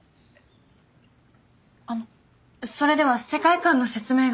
あのそれでは世界観の説明が。